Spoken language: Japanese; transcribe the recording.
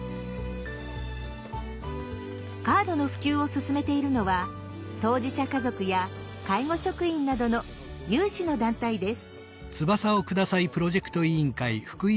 カードの普及を進めているのは当事者家族や介護職員などの有志の団体です。